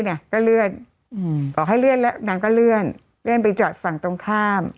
นางก็เลื่อนอืมบอกให้เลื่อนแล้วนางก็เลื่อนเลื่อนไปจอดฝั่งตรงข้าม